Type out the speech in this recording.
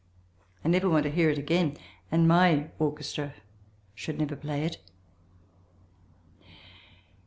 I never want to hear it again and my orchestra should never play it.